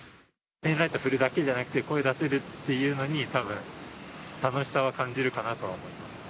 ペンライト振るだけじゃなくて、声出せるっていうのに、たぶん楽しさは感じるかなと思います。